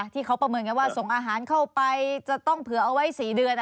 ที่เขาประเมินกันว่าส่งอาหารเข้าไปจะต้องเผื่อเอาไว้๔เดือน